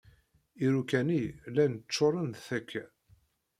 Iruka-nni llan ččuren d takka.